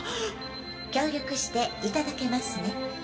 協力していただけますね？